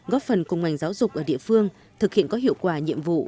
góp phần cùng ngành giáo dục ở địa phương thực hiện có hiệu quả nhiệm vụ